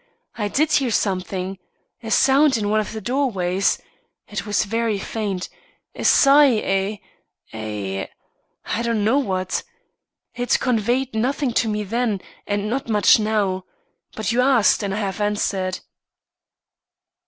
I did hear something a sound in one of the doorways. It was very faint a sigh a a I don't know what. It conveyed nothing to me then, and not much now. But you asked, and I have answered."